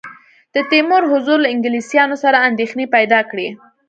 د تیمور حضور له انګلیسیانو سره اندېښنې پیدا کړې.